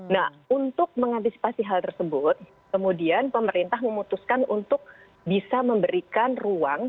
nah untuk mengantisipasi hal tersebut kemudian pemerintah memutuskan untuk bisa memberikan ruang